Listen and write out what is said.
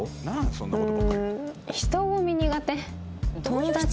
うん。